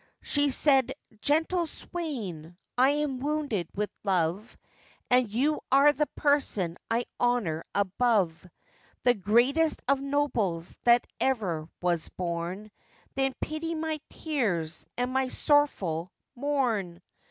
Said she, 'Gentle swain, I am wounded with love, And you are the person I honour above The greatest of nobles that ever was born;— Then pity my tears, and my sorrowful mourn!